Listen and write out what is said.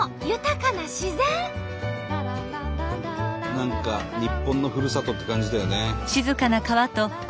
何か日本のふるさとって感じだよね。